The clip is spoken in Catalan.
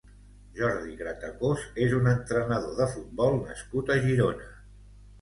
Jordi Gratacós és un entrenador de futbol nascut a Girona.